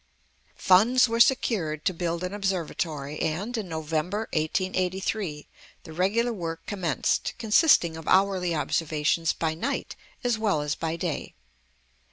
Funds were secured to build an Observatory; and, in November 1883, the regular work commenced, consisting of hourly observations by night as well as by day.